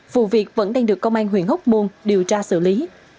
vụ việc vẫn đang được công an huyện hốc môn điều tra xử lý